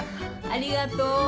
ありがとう！